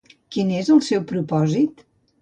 Quin és el seu propòsit?